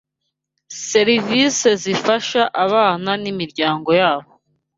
serivisi zifasha abana n’imiryango yabo